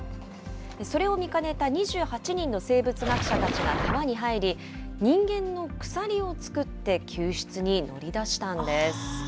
それを見かねた２８人の生物学者たちが川に入り、人間の鎖を作って救出に乗り出したんです。